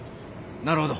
なるほど。